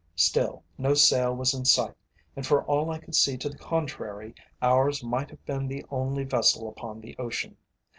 Still no sail was in sight, and for all I could see to the contrary, ours might have been the only vessel upon the ocean.